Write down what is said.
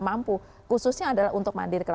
mampu khususnya adalah untuk mandir karena